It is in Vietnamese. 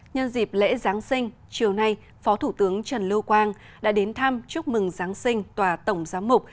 nhân dịp lễ giáng sinh chiều nay phó thủ tướng trần lưu quang đã đến thăm chúc mừng giáng sinh tòa tổng giám mục